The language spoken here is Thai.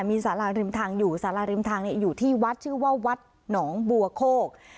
มีสาราริมทางอยู่สาราริมทางอยู่ที่วัดชื่อว่าวัดหนองบัวโคก